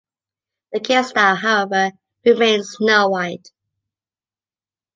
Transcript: The case style, however, remained Snow White.